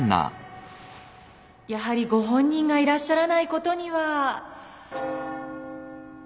やはりご本人がいらっしゃらないことには。